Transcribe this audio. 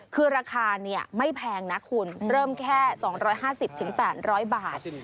คือราคาไม่แพงนะคุณเริ่มแค่๒๕๐๘๐๐บาท